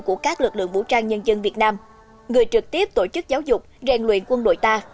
của các lực lượng vũ trang nhân dân việt nam người trực tiếp tổ chức giáo dục rèn luyện quân đội ta